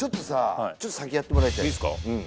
ちょっと先やってもらいたいいいすか？